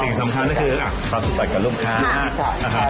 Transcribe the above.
สิ่งสำคัญก็คือความสุขกับลูกค้า